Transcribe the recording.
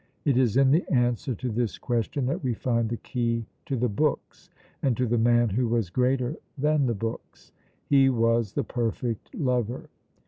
It is in the answer to this question that we find the key to the books, and to the man who was greater than the books. He was the Perfect Lover.